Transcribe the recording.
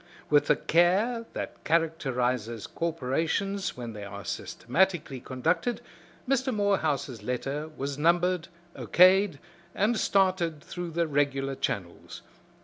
With the care that characterizes corporations when they are systematically conducted, Mr. Morehouse's letter was numbered, O.K'd, and started through the regular channels.